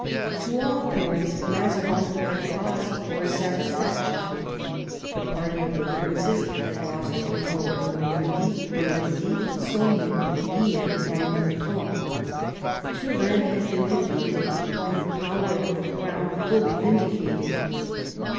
To all appearance Mazarin had cause for his satisfaction. The party of the princes had lost control of Normandy, Burgundy, Saumur, Guienne, and Montrond. Turenne had been defeated and the power of the crown fully vindicated.